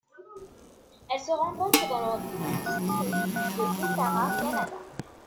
Elle se rencontre dans le district de Uttara Kannada.